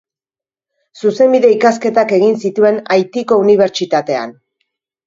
Zuzenbide-ikasketak egin zituen Haitiko Unibertsitatean.